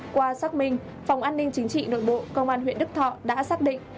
qua xác minh phòng an ninh chính trị nội bộ công an huyện đức thọ đã xác định